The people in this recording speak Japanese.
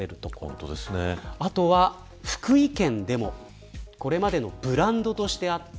あとは、福井県でもこれまでのブランドとしてあった